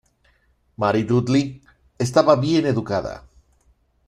Mary Dudley estaba bien educada.